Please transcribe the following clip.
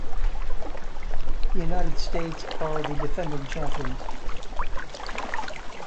The United States are the defending champions.